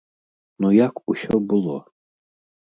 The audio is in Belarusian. Ну як усё было?